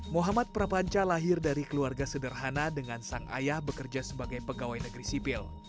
muhammad prapanca lahir dari keluarga sederhana dengan sang ayah bekerja sebagai pegawai negeri sipil